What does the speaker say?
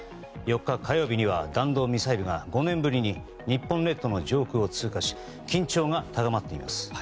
４日、火曜日には弾道ミサイルが５年ぶりに日本列島の上空を通過し緊張が高まっています。